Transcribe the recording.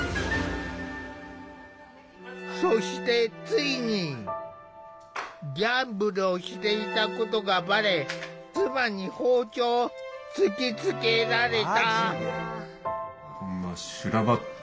そしてついにギャンブルをしていたことがバレ妻に包丁を突きつけられた。